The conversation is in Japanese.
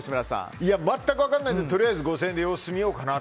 全く分からないのでとりあえず５０００円で様子見ようかなって。